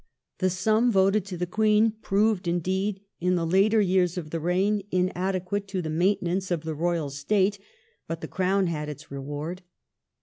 The sum voted to the, Queen proved indeed, in the later years of the reign, inadequate to the maintenance of the Royal state, but the Crown had its reward.